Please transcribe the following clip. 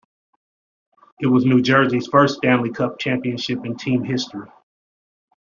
It was New Jersey's first Stanley Cup Championship in team history.